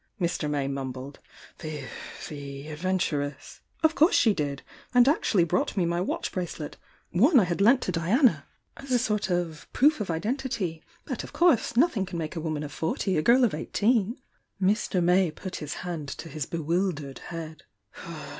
Mr. May mumbled. "The— the adventuress ?" "Of course she did!— and actually brought me my watch bracelet— one I had lent to Diana— as a sort of proof of identity. But of course nothing can make a woman of forty a girl of eighteen!" Mr. May put his hand to his bewildered head.